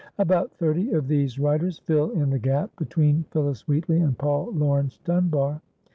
About thirty of these writers fill in the gap between Phillis Wheatley and Paul Laurence Dunbar.